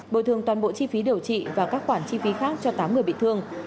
bồi thường toàn bộ chi phí điều trị và các khoản chi phí khác cho tám người bị thương